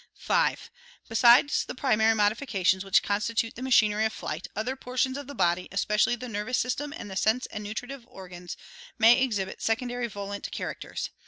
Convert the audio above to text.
5. Besides the primary modifications which constitute the ma chinery of flight, other portions of the body, especially the nervous system and the sense and nutritive organs, may exhibit secondary volant characters.